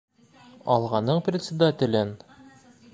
«Алға»ның председателен?